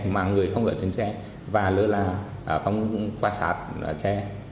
mà người không ở trên xe và lơ là không quan sát xe